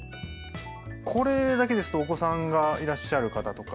これだけですとお子さんがいらっしゃる方とか。